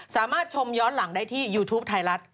สามารถชมย้อนหลังได้ที่ยูทูปไทยรัฐ